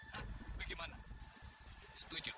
hah bagaimana setuju